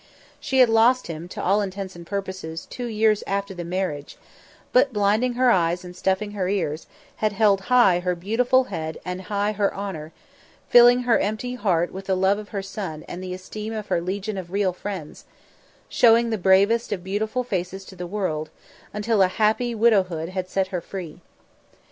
She had lost him, to all intents and purposes, two years after the marriage, but blinding her eyes and stuffing her ears, had held high her beautiful head and high her honour, filling her empty heart with the love of her son and the esteem of her legion of real friends; showing the bravest of beautiful faces to the world, until a happy widowhood had set her free.